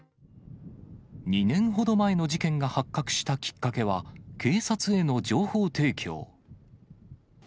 ２年ほど前の事件が発覚したきっかけは、警察への情報提供。